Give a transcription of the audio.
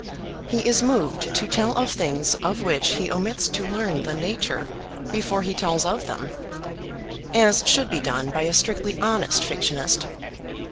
He is moved to tell of things of which he omits to learn the nature before he tells of them as should be done by a strictly honest fictionist.